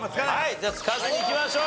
じゃあ使わずにいきましょう。